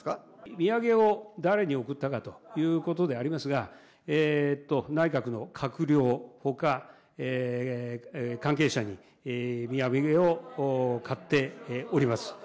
土産を誰に贈ったかということでありますが、内閣の閣僚ほか関係者に、土産を買っております。